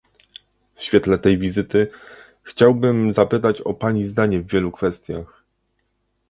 W świetle tej wizyty, chciałbym zapytać o Pani zdanie w wielu kwestiach